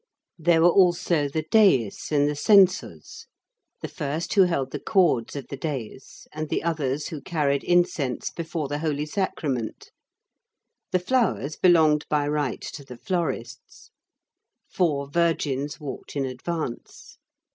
There were also the "dais" and the "censors,"—the first who held the cords of the dais, and the others who carried incense before the Holy Sacrament. The flowers belonged by right to the florists. Four "virgins" walked in advance.